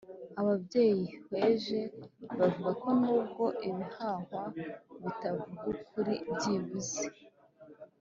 Ababyeyihweje bavugako n’ubwo ibihwahwa bitavuga ukuri byibuze